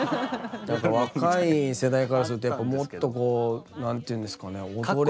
だから若い世代からするとやっぱもっとこう何ていうんですかね踊れる。